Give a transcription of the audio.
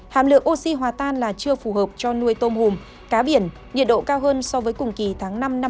hàm lượng oxy hòa tan là chưa phù hợp cho nuôi tôm hùm cá biển nhiệt độ cao hơn so với cùng kỳ tháng năm năm hai nghìn hai mươi ba